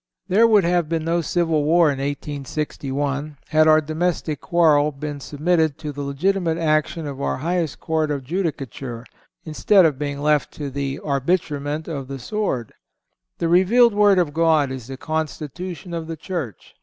There would have been no civil war in 1861 had our domestic quarrel been submitted to the legitimate action of our highest court of judicature, instead of being left to the arbitrament of the sword. The revealed Word of God is the constitution of the Church.